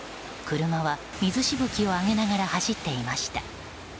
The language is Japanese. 車は水しぶきを上げながら走っていました。